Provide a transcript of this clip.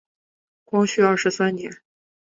光绪二十三年。